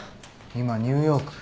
今ニューヨーク。